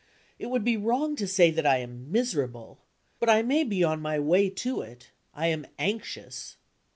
It would be wrong to say that I am miserable. But I may be on the way to it; I am anxious.